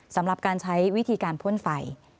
สำหรับการใช้วิธีการพ่นไฟ